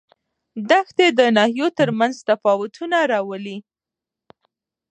دښتې د ناحیو ترمنځ تفاوتونه راولي.